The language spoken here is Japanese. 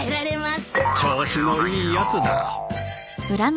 調子のいいやつだ。